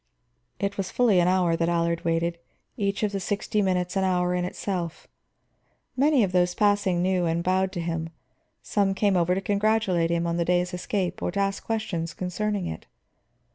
It was fully an hour that Allard waited, each of the sixty minutes an hour in itself. Many of those passing knew and bowed to him; some came over to congratulate him on the day's escape or to ask questions concerning it.